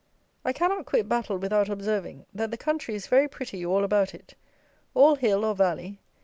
I cannot quit Battle without observing, that the country is very pretty all about it. All hill, or valley.